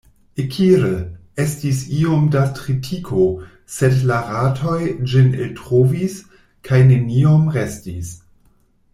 Ekire, estis iom da tritiko, sed la ratoj ĝin eltrovis, kaj neniom restis.